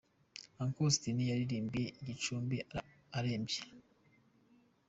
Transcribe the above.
Uncle Austin yaririmbiye i Gicumbi arembye.